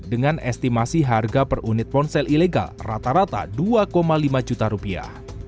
dengan estimasi harga per unit ponsel ilegal rata rata dua lima juta rupiah